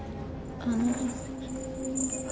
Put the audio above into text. あの。